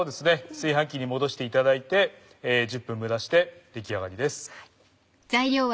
炊飯器に戻していただいて１０分蒸らして出来上がりです。